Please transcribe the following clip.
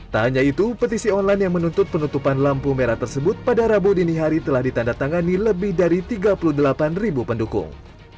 tak hanya itu petisi online yang menuntut penutupan lampu merah tersebut pada rabu dini hari telah ditandatangani lebih dari tiga puluh delapan ribu pendukung